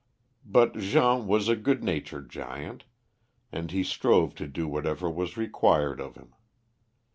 But Jean was a good natured giant, and he strove to do whatever was required of him.